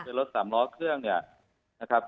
รถสามล้อเครื่องเนี่ยนะครับ